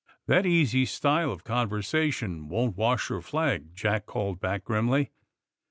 ''That easy style of conversation won't wash your flag!" Jack called back grimly.